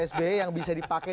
sbe yang bisa dipakai